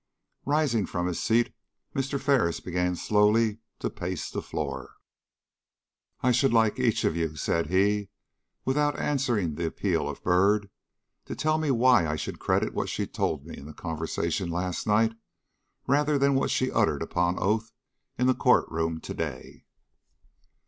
Rising from his seat, Mr. Ferris began slowly to pace the floor. "I should like each of you," said he, without answering the appeal of Byrd, "to tell me why I should credit what she told me in conversation last night rather than what she uttered upon oath in the court room to day?"